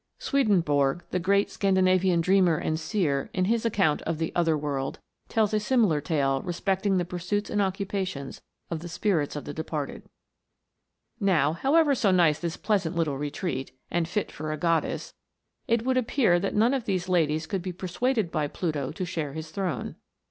Swedenborg, the great Scandinavian dreamer and seer, in his account of the " other world," tells a similar tale re specting the pursuits and occupations of the spirits of the departed. PLUTO'S KINGDOM. 283 Now, however so nice this pleasant little retreat, and " fit for a goddess," it would appear that none of these ladies could be persuaded by Pluto to share his throne.